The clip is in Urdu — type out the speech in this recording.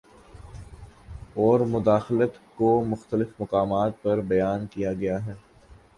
اور مداخلت کو مختلف مقامات پر بیان کیا گیا ہے